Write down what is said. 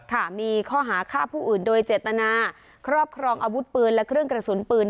ค่ะมีข้อหาฆ่าผู้อื่นโดยเจตนาครอบครองอาวุธปืนและเครื่องกระสุนปืน